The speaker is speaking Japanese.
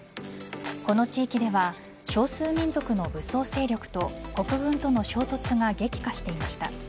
この地域では少数民族の武装勢力と国軍との衝突が激化していました。